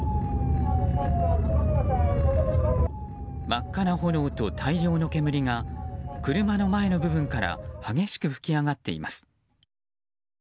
真っ赤な炎と大量の煙が車の前の部分から激しく噴き上がっています。